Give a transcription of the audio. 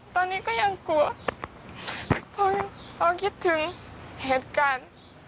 ตอนนี้ก็ยังกลัวเพราะคิดถึงเหตุการณ์